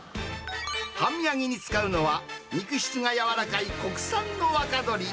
半身揚げに使うのは、肉質が柔らかい国産の若鶏。